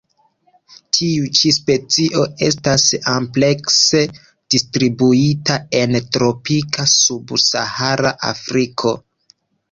Tiu ĉi specio estas amplekse distribuita en tropika subsahara Afriko.